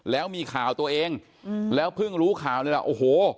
แล้วมีข่าวตัวเองแล้วเพิ่งรู้ข่าวนี่แหละโอ้โห